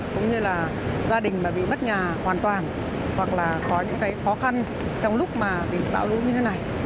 cũng như là gia đình bị mất nhà hoàn toàn hoặc là có những khó khăn trong lúc bị bạo lũ như thế này